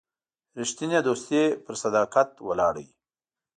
رښتینی دوستي په صداقت ولاړه وي.